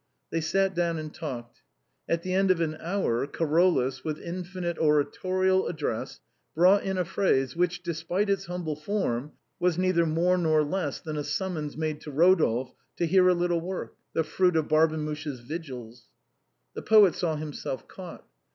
They sat down and talked. At the end of an hour, Caro lus, with infinite oratorial address, brought in a phrase which, despite its humble form, was neither more nor less than a summons made to Eodolphe to hear a little work, the fruit of Barbemuche's vigils. The poet saw himself caught.